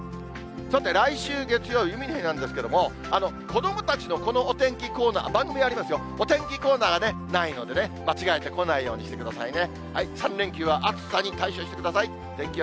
さて来週月曜日、海の日なんですけれども、子どもたちのこのお天気コーナー、番組ありますよ、お天気コーナーはないのでね、間違えて来ないようにしてくださいね。